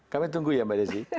kami tunggu ya mbak desi